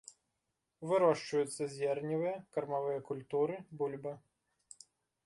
Вырошчваюцца зерневыя, кармавыя культуры, бульба.